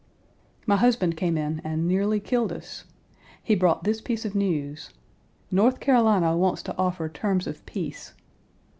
My husband came in and nearly killed us. He brought this piece of news: "North Carolina wants to offer terms of peace!"